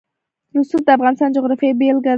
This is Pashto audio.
رسوب د افغانستان د جغرافیې بېلګه ده.